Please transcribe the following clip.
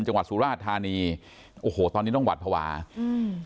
จังหวัดสุราชธานีโอ้โหตอนนี้ต้องหวัดภาวะอืม